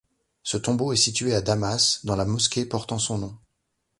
Son tombeau est situé à Damas, dans la mosquée portant son nom.